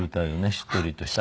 しっとりとした。